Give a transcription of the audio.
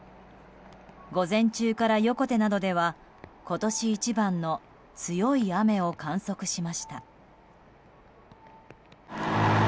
午前中から横手などでは今年一番の強い雨を観測しました。